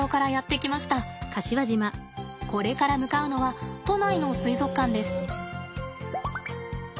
これから向かうのは都内の水族館です。